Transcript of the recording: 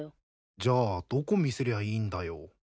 じゃあどこ見せりゃいいんだよ。